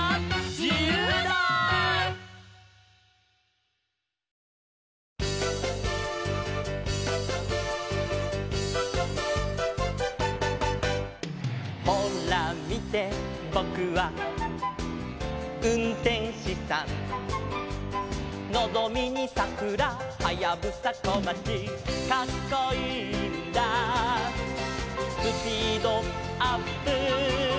「じゆうだー！」「ほらみてボクはうんてんしさん」「のぞみにさくらはやぶさこまち」「カッコいいんだスピードアップ」